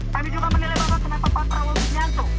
kami juga menilai bahwa kenapa pak prabowo subianto